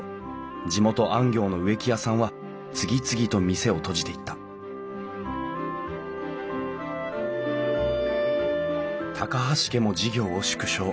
地元安行の植木屋さんは次々と店を閉じていった高橋家も事業を縮小。